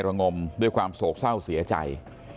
ระงมด้วยความโศกเศร้าเสียใจ